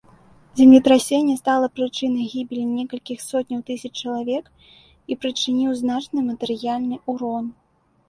Землетрасенне стала прычынай гібелі некалькіх сотняў тысяч чалавек і прычыніў значны матэрыяльны ўрон.